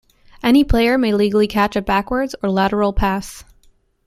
Any player may legally catch a backwards or lateral pass.